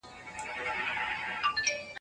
دغه ځای به مي تر مرګه یادومه